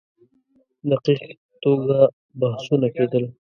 دقیق توګه بحثونه کېدل.